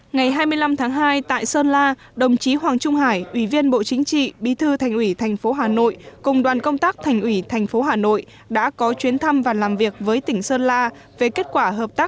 ngày hai mươi năm tháng hai tại sơn la đồng chí hoàng trung hải ủy viên bộ chính trị bí thư thành ủy tp hcm cùng đoàn công tác thành ủy tp hcm đã có chuyến thăm và làm việc với tỉnh sơn la